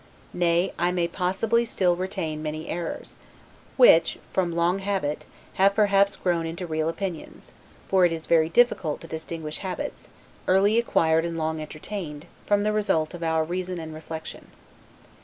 Nay, I may possibly still retain many errors, which, from long habit, have perhaps grown into real opinions; for it is very difficult to distinguish habits, early acquired and long entertained, from the result of our reason and reflection.